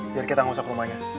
biar kita gak usah ke rumahnya